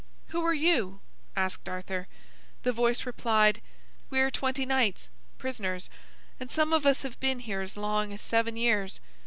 "Who are you?" asked Arthur. The voice replied: "We are twenty knights, prisoners, and some of us have been here as long as seven years.